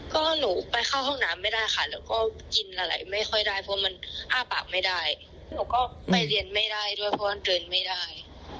ก็หนูไปเข้าห้องน้ำไม่ได้ค่ะแล้วก็กินอะไรไม่ค่อยได้เพราะมันอ้าปากไม่ได้หนูก็ไปเรียนไม่ได้ด้วยเพราะว่าเดินไม่ได้